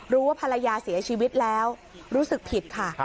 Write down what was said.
รู้ว่าภรรยาเสียชีวิตแล้วรู้สึกผิดค่ะ